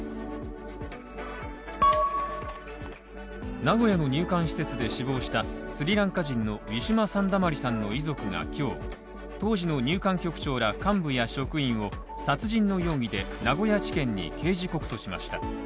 名古屋の入管施設で死亡したスリランカ人のウィシュマ・サンダマリさんの遺族が、今日、当時の入管局長ら幹部や職員を殺人の容疑で名古屋地検に刑事告訴しました。